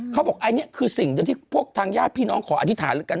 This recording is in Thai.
เขาบอกอันเนี้ยคือสิ่งที่พวกทางยาชน์พี่น้องขออธิษฐานเหลือกัน